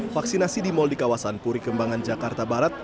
vaksinasi di mal di kawasan puri kembangan jakarta barat